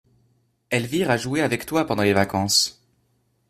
Elvire a joué avec toi, pendant les vacances.